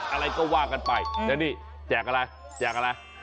อะไรก็ว่ากันไปแล้วนี่แจกอะไรแจกอะไร